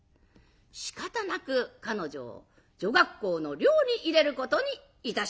しかたなく彼女を女学校の寮に入れることにいたしました。